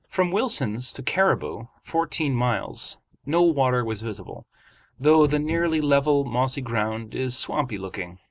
From Wilson's to "Caribou," fourteen miles, no water was visible, though the nearly level, mossy ground is swampy looking.